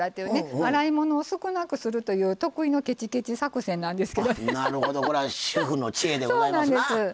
洗い物を少なくするという得意のけちけち作戦なんです。